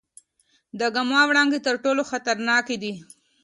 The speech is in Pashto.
د ګاما وړانګې تر ټولو خطرناکې دي.